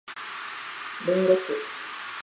林檎酢